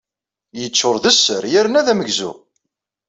Yeččuṛ d sser yerna d amegzu.